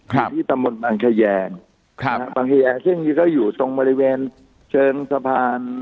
ครับที่ตำบนบางแขยงครับบางแขยงเช่นอยู่ตรงบริเวณเชิงสะพาน